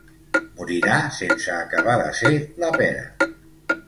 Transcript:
Morirà sense acabar de ser la pera.